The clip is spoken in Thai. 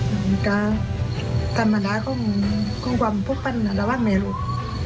มันกาวฟันกันประมาณนั้นก็คือความฟุกฟันอันดับวันไหมลูก